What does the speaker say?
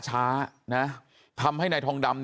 บอกแล้วบอกแล้วบอกแล้ว